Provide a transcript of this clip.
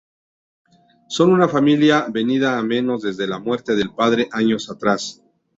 Son una familia venida a menos desde la muerte del padre años atrás.